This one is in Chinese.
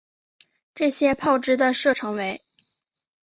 这些炮支的射程为。